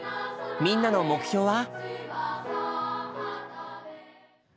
みんなの目標は？